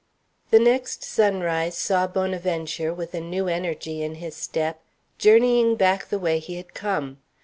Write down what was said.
The next sunrise saw Bonaventure, with a new energy in his step, journeying back the way he had come.